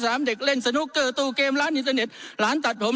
เด็กเล่นสนุกเกอร์ตู้เกมร้านอินเทอร์เน็ตร้านตัดผม